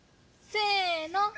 せの！